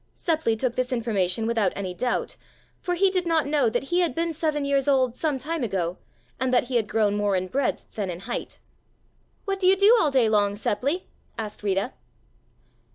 Seppli took this information without any doubt, for he did not know that he had been seven years old some time ago, and that he had grown more in breadth than in height. "What do you do all day long, Seppli?" asked Rita.